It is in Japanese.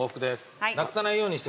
なくさないように。